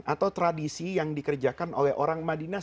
atau tradisi yang dikerjakan oleh orang madinah